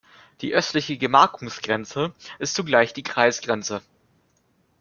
Die östliche Gemarkungsgrenze ist zugleich die Kreisgrenze.